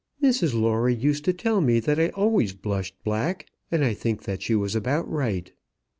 "Mrs Lawrie used to tell me that I always blushed black, and I think that she was about right."